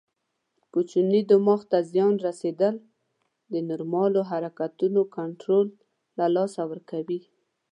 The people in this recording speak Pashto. کوچني دماغ ته زیان رسېدل د نورمالو حرکتونو کنټرول له لاسه ورکوي.